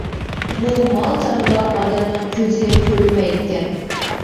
بۇ مال چارۋىلار ئادەمنىڭ كۆزىگە كۆرۈنمەيدىكەن.